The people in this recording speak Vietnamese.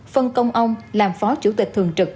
phân công ông làm phó chủ tịch thường trực